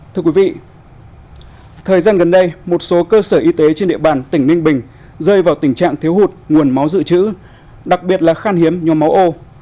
thưa quý vị thời gian gần đây một số cơ sở y tế trên địa bàn tỉnh ninh bình rơi vào tình trạng thiếu hụt nguồn máu dự trữ đặc biệt là khan hiếm nhóm máu ô